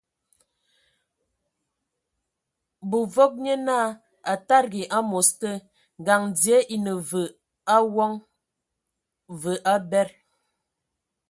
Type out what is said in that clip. Bǝvɔg nye naa a tadigi amos te, ngaŋ dzie e ne ve awon, və abed.